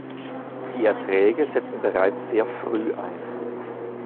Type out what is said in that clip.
Die Erträge setzen bereits sehr früh ein.